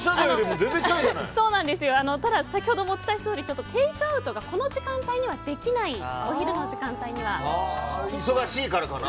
ただ、先ほどお伝えしたとおりテイクアウトがこの時間帯にはできない忙しいからかな。